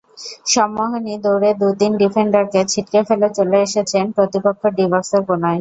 সম্মোহনী দৌড়ে দু-তিন ডিফেন্ডারকে ছিটকে ফেলে চলে এসেছেন প্রতিপক্ষ ডি-বক্সের কোনায়।